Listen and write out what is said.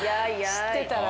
知ってたら。